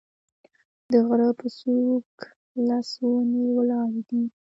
د غره په څوک لس ونې ولاړې دي